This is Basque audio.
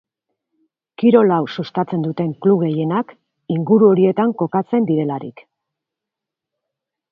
Kirol hau sustatzen duten klub gehienak inguru horietan kokatzen direlarik.